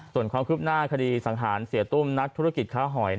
ส่วนความคืบหน้าคดีสังหารเสียตุ้มนักธุรกิจค้าหอย